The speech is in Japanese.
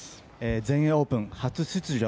全英オープン初出場。